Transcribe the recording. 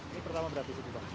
ini pertama berarti pak